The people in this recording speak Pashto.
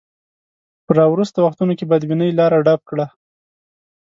په راوروسته وختونو کې بدبینۍ لاره ډب کړه.